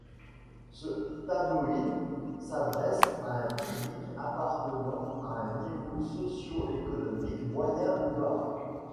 Ce tabloïd s’adresse à un public appartenant à un niveau socioéconomique moyen ou bas.